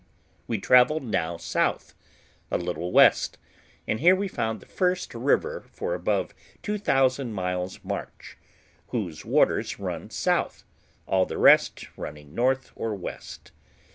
We travelled now south, a little west, and here we found the first river for above 2000 miles' march, whose waters run south, all the rest running north or west.